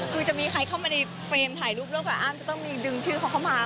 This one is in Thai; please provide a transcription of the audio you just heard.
คือจะมีใครเข้ามาในเฟรมถ่ายรูปร่วมกับอ้ำจะต้องมีดึงชื่อเขาเข้ามา